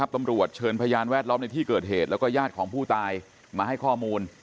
ตำรวจเชิญพยานแวดล้อมในที่เกิดเหตุแล้วก็ญาติของผู้ตายมาให้ข้อมูล